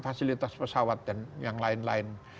fasilitas pesawat dan yang lain lain